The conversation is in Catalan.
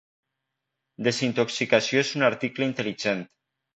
Desintoxicació és un article intel·ligent.